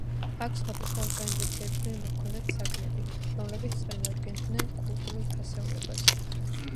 აქ სხვადასხვა ორგანიზაციებიდან მოჰქონდათ საგნები, რომლებიც წარმოადგენდნენ კულტურულ ფასეულობას.